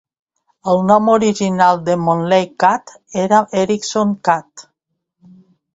El nom original de Montlake Cut era Erickson Cut.